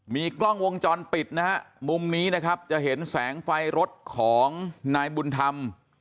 มีกล้องวงจรปิดนะฮะมุมนี้นะครับจะเห็นแสงไฟรถของนายบุญธรรม